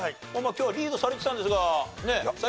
今日はリードされてたんですが最後は難なく。